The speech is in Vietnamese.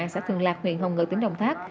xã thường lạc huyện hồng ngự tỉnh đồng tháp